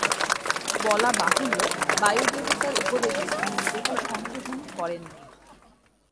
বলা-বাহুল্য বায়ু দেবতার উপদেশে তিনি নিজেকে সংশোধন করেননি।